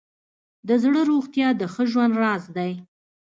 د زړه روغتیا د ښه ژوند راز دی.